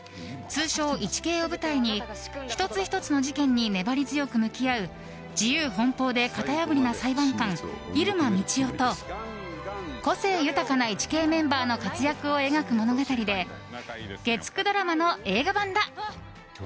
通称イチケイを舞台に１つ１つの事件に粘り強く向き合う自由奔放で型破りな裁判官入間みちおと個性豊かなイチケイメンバーの活躍を描く物語で月９ドラマの映画版だ。